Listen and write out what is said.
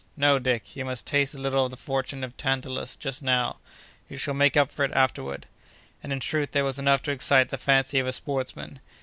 No, Dick; you must taste a little of the torture of Tantalus just now. You shall make up for it afterward." And, in truth, there was enough to excite the fancy of a sportsman.